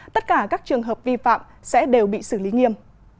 tất cả các trường hợp vi phạm sẽ đều bị xử lý nghiêm